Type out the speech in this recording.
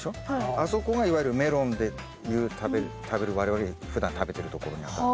あそこがいわゆるメロンでいう食べる我々がふだん食べてるところにあたる。